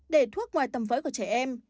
để thuốc ngoài tầm với của trẻ em